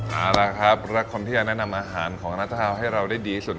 เอาล่ะครับละคนที่จะแนะนำอาหารของนัตราฮาวให้เราได้ดีสุดนะครับ